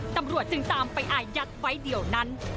ตำรวจจึงตามไปอายัดไว้เดียวนั้น